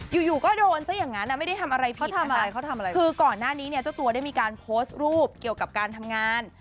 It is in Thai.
อยู่อยู่ก็โดนซะอย่างนั้นไม่ได้ทำอะไรผิดทำอะไรเขาทำอะไรคือก่อนหน้านี้เนี่ยเจ้าตัวได้มีการโพสต์รูปเกี่ยวกับการทำงาน